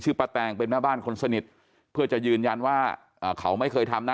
ป้าแตงเป็นแม่บ้านคนสนิทเพื่อจะยืนยันว่าเขาไม่เคยทำนะ